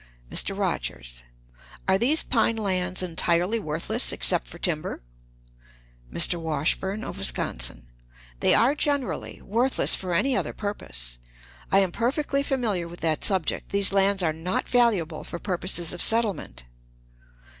"Mr. Rogers. Are these pine lands entirely worthless except for timber? "Mr. Washburn, of Wisconsin. They are generally! worthless for any other purpose. I am perfectly familiar with that subject. These lands are not valuable for purposes of settlement.